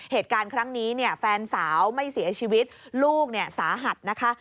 เหตุการณ์ครั้งนี้เนี่ยแฟนสาวไม่เสียชีวิตลูกเนี่ยสาหัสนะคะ